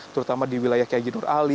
terutama di wilayah kayak jendurali